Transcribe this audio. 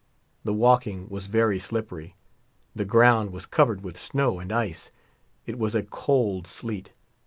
The walking was very slippery, the ground was covered with snow and ice, it was a cold sleet.